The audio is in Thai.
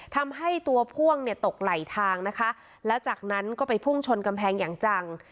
ทำให้ตัวพ่วงเนี่ยตกไหลทางนะคะแล้วจากนั้นก็ไปพุ่งชนกำแพงอย่างจัง